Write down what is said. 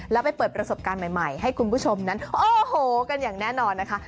แล้วไปเปิดประสบการณ์ใหม่ให้คุณผู้ชมนั้นโอ้โหกันอย่างแน่นอนนะคะ